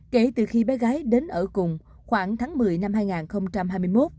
kể từ khi bé gái đến ở cùng khoảng tháng một mươi năm hai nghìn hai mươi một